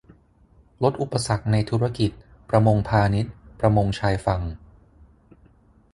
ลดอุปสรรคในธุรกิจ ประมงพาณิชย์ ประมงชายฝั่ง